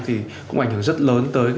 thì cũng ảnh hưởng rất lớn tới